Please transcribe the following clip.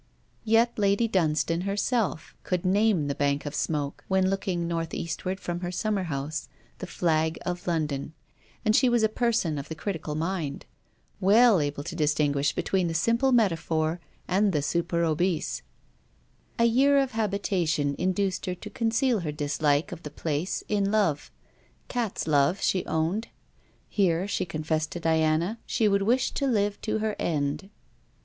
Yet Lady Dunstane herself could name the bank of smoke, when looking North eastward from her summerhouse, the flag of London: and she was a person of the critical mind, well able to distinguish between the simple metaphor and the superobese. A year of habitation induced her to conceal her dislike of the place in love: cat's love, she owned. Here, she confessed to Diana, she would wish to live to her end.